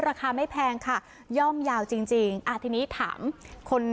ราคาไม่แพงค่ะย่อมยาวจริงจริงอ่าทีนี้ถามคน